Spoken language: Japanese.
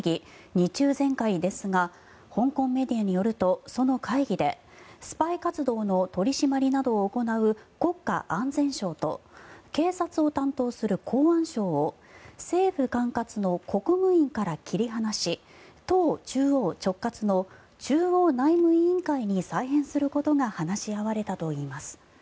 ２中全会ですが香港メディアによるとその会議でスパイ活動の取り締まりなどを行う国家安全省と警察を担当する公安省を政府管轄の国務院から切り離し党中央直轄の中央内務委員会に再編することが話し合われたといいます。